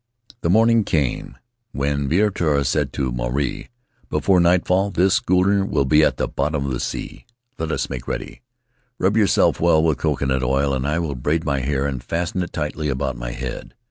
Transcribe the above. The morning came when Viritoa said to Maruae: 'Before nightfall this schooner will be at the bottom of the sea; let us make ready. Rub your self well with coconut oil, and I will braid my hair and fasten it tightly about my head.'